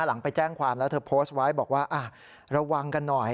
หลังไปแจ้งความแล้วเธอโพสต์ไว้บอกว่าระวังกันหน่อย